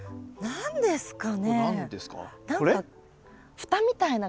何ですか？